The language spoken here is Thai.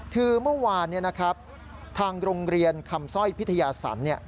คือเมื่อวานทางโรงเรียนคำสร้อยพิทยาสัน